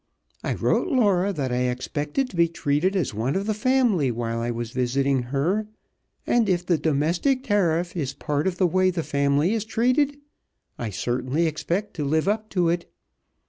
I wrote Laura that I expected to be treated as one of the family while I was visiting her, and if the Domestic Tariff is part of the way the family is treated I certainly expect to live up to it.